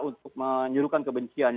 untuk menyuruhkan kebencian